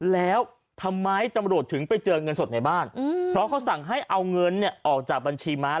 แล้วทำไมตำรวจถึงไปเจอเงินสดในบ้านเพราะเขาสั่งให้เอาเงินเนี่ยออกจากบัญชีม้า